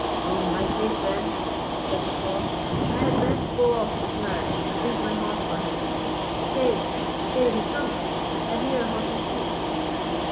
"On my faith, then," said Bucklaw, "I had best go off just now, and leave my horse for him. Stay—stay, he comes: I hear a horse's feet."